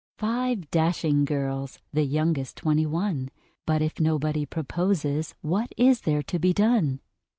"] Five dashing girls, the youngest Twenty one: But, if nobody proposes, what is there to be done?